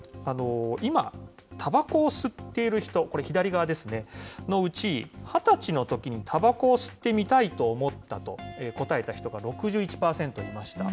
今、たばこを吸っている人、これ、左側のうち、２０歳のときにたばこを吸ってみたいと思ったと答えた人が６１％いました。